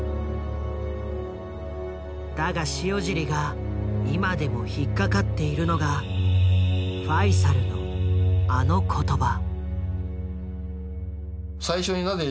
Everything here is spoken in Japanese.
だが塩尻が今でも引っ掛かっているのがファイサルのあの言葉。